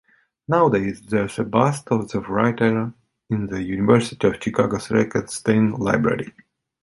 Nowadays there's a bust of the writer in the University of Chicago's Regenstein Library.